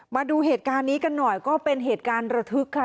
มาดูเหตุการณ์นี้กันหน่อยก็เป็นเหตุการณ์ระทึกค่ะ